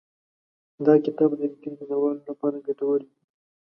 دا کتاب به د کرکټ مینه والو لپاره ګټور وي.